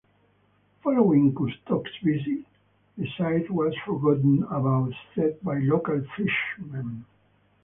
Following Cousteau's visit, the site was forgotten about except by local fishermen.